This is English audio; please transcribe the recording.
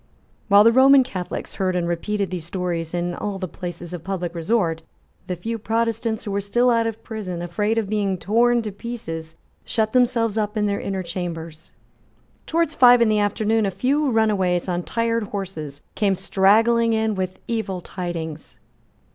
While the Roman Catholics heard and repeated these stories in all the places of public resort, the few Protestants who were still out of prison, afraid of being torn to pieces, shut themselves up in their inner chambers. But, towards five in the afternoon, a few runaways on tired horses came straggling in with evil tidings.